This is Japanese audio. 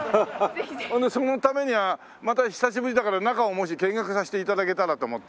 でそのためにはまた久しぶりだから中をもし見学させて頂けたらと思ってね。